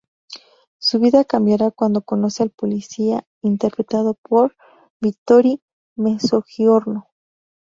Su vida cambiará cuando conoce al policía interpretado por Vittorio Mezzogiorno.